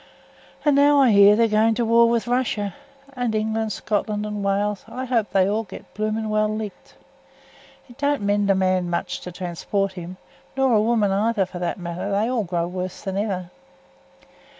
And now I hear they're going to war wi' Russia, and England, Scotland, Ireland, and Wales I hope they'll all get blooming well licked. It don't mend a man much to transport him, nor a woman either for that matter: they all grow worse than ever.